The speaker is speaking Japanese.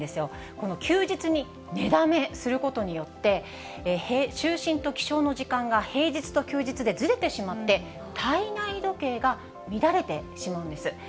この休日に寝だめすることによって、就寝と起床の時間が平日と休日でずれてしまって、体内時計が乱れてしまうんです。